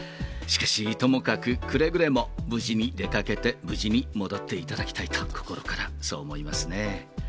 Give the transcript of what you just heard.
しかし、ともかくくれぐれも無事に出かけて、無事に戻っていただきたいと、心からそう思いますね。